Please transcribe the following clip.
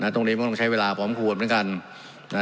ตรงนี้มันต้องใช้เวลาพร้อมควรเหมือนกัน